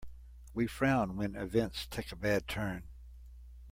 We frown when events take a bad turn.